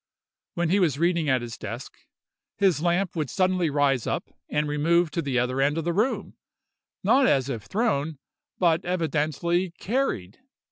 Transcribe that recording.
When he was reading at his desk, his lamp would suddenly rise up and remove to the other end of the room—not as if thrown, but evidently carried.